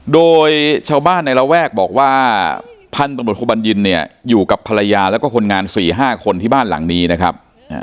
โดยชาวบ้านในระแวกบอกว่าพันธุ์ตำรวจโทบัญญินเนี่ยอยู่กับภรรยาแล้วก็คนงาน๔๕คนที่บ้านหลังนี้นะครับ